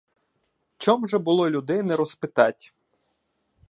Чом же було людей не розпитать?